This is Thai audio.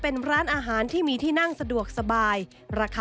เป็นอย่างไรนั้นติดตามจากรายงานของคุณอัญชาฬีฟรีมั่วครับ